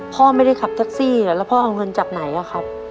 พ่อไม่ได้ขับแท็กซี่แล้วพ่อเอาเงินจากไหนอะครับ